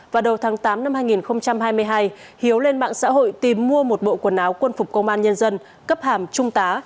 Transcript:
vào đầu tháng tám năm hai nghìn hai mươi hai hiếu lên mạng xã hội tìm mua một bộ quần áo quân phục công an nhân dân cấp hàm trung tá